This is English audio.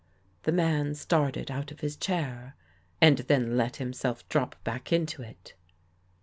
The man started out of his chair and then let him self drop back into it.